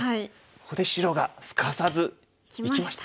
ここで白がすかさずいきました。